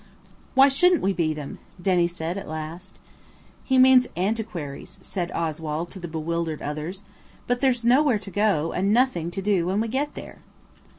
"Why shouldn't we be them?" Denny said at last. "He means antiquaries," said Oswald to the bewildered others. "But there's nowhere to go and nothing to do when we get there."